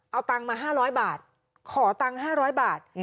เอาตังค์มา๕๐๐บาทขอตังค์๕๐๐บาท